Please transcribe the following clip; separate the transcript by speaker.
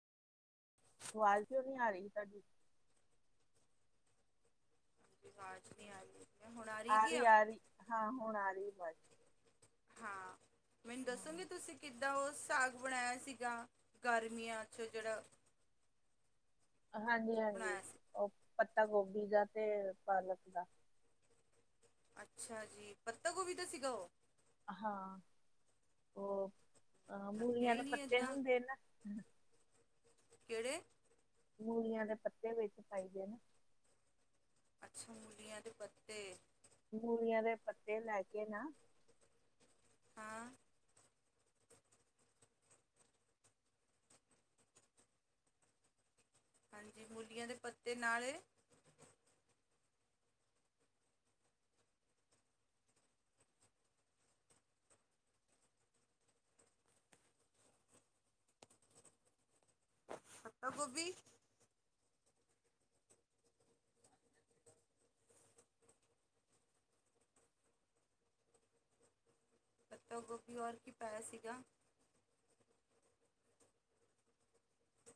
Speaker 1: ਆਵਾਜ਼ ਕਿਉਂ ਨੀ ਆ ਰਹੀ ਤੁਹਾਡੀ।
Speaker 2: ਹਾਂ।
Speaker 1: ਆ ਰਹੀ, ਆ ਰਹੀ, ਹਾਂ ਹੁਣ ਆ ਰਹੀ ਆਵਾਜ਼।
Speaker 2: ਹਾਂ, ਮੈਨੂੰ ਦੱਸੋਗੇ
Speaker 1: ਹਾਂ
Speaker 2: ਤੁਸੀਂ ਕਿੱ ਦਾ ਉਹ ਸਾਗ ਬਣਾਇਆ ਸੀਗਾ, ਗਰਮੀਆਂ 'ਚੋਂ ਜਿਹੜਾ
Speaker 1: ਹਾਂਜੀ- ਹਾਂਜੀ,
Speaker 2: ਬਣਾਇਆ ਸੀ
Speaker 1: ਉਹ ਪੱਤਾ ਗੋਭੀ ਦਾ ਤੇ ਪਾਲਕ ਦਾ।
Speaker 2: ਅੱਛਾ ਜੀ, ਪੱਤਾ ਗੋਭੀ ਦਾ ਸੀਗਾ ਉਹ?
Speaker 1: ਹਾਂ, ਉਹ,
Speaker 2: ਲੱਗਿਆ
Speaker 1: ਮੂਲੀਆਂ
Speaker 2: ਹੀ
Speaker 1: ਦੇ
Speaker 2: ਨਹੀਂ
Speaker 1: ਪੱਤੇ
Speaker 2: ਏਦਾਂ
Speaker 1: ਹੁੰਦੇ ਨਾ।
Speaker 2: ਕਿਹੜੇ?
Speaker 1: ਮੂਲੀਆਂ ਦੇ ਪੱਤੇ ਵਿੱਚ ਪਾਈਦੇ ਨਾ।
Speaker 2: ਅੱਛਾ, ਮੂਲੀਆਂ ਦੇ ਪੱਤੇ।
Speaker 1: ਮੂਲੀਆਂ ਦੇ ਪੱਤੇ ਲੈ ਕੇ ਨਾ
Speaker 2: ਹਾਂ। ਹਾਂਜੀ, ਮੂਲੀਆਂ ਦੇ ਪੱਤੇ ਨਾਲੇ ਪੱਤਾ ਗੋਭੀ ਪੱਤਾ ਗੋਭੀ, ਔਰ ਕੀ ਪਾਇਆ ਸੀਗਾ?